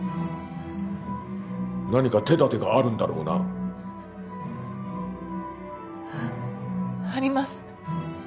何か手だてがあるんだろうな？あります。